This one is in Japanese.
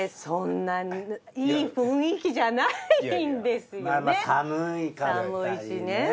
そんなにいい雰囲気じゃないんですよね。